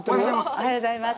おはようございます。